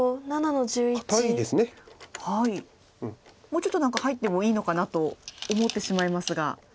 もうちょっと何か入ってもいいのかなと思ってしまいますが。